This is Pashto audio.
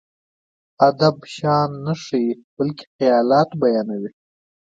ادب شيان نه ښيي، بلکې خيالات بيانوي.